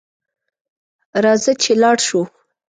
راځه چې لاړشوو